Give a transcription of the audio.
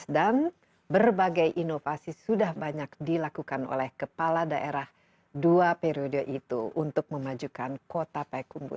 dan berbagai inovasi sudah banyak dilakukan oleh kepala daerah dua periode itu untuk memajukan kota payakumbuh